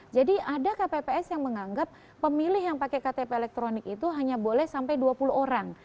ada kpps yang menganggap pemilih yang pakai ktp elektronik itu hanya boleh sampai dua puluh orang